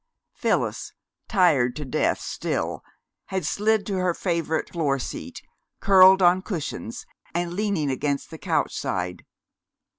Phyllis, tired to death still, had slid to her favorite floor seat, curled on cushions and leaning against the couch side.